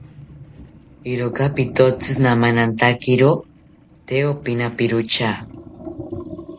Iroka pitotzi namanantakiro tee opinaperota